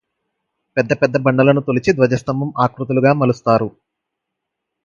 పెద్ద పెద్ద బండలను తొలిచి ధ్వజస్తంభం ఆకృతులుగా మలుస్తారు